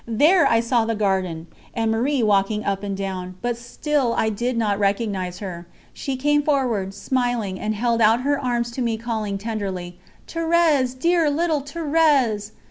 There I saw the garden, and Marie walking up and down, but still I did not recognise her; she came forward, smiling, and held out her arms to me calling tenderly: "Thérèse, dear little Thérèse!"